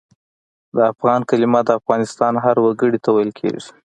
د افغان کلمه د افغانستان هر وګړي ته ویل کېږي.